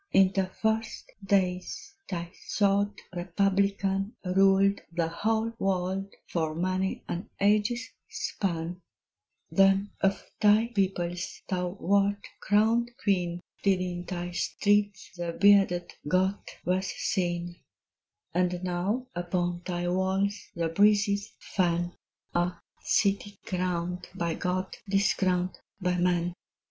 In the first days thy sword republican Ruled the whole world for many an age's span: Then of thy peoples thou wert crowned Queen, Till in thy streets the bearded Goth was seen; And now upon thy walls the breezes fan (Ah, city crowned by God, discrowned by man!)